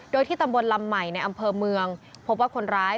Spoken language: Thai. โดยที่ตำบลลำใหม่ในอำเภอเมืองพบว่าคนร้าย